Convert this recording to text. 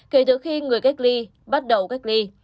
kể từ khi người cách ly bắt đầu cách ly